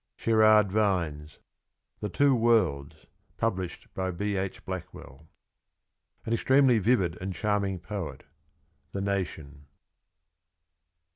Sherard Vines. THE TWO WORLDS. Published by B. H. Blackwell. An extremely vivid and charming poet. — The Nation.